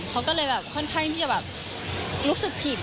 เขาก็เลยค่อนข้างนี่พี่ก็รู้สึกผิด